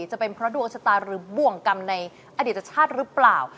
จะเป็นเพราะดวงชะตาหรือบ่วงกรรมในอดีตชาติหรือเปล่า